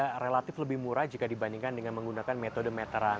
harga relatif lebih murah jika dibandingkan dengan menggunakan metode meteran